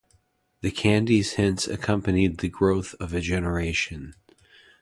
The candies hence accompanied the growth of a generation.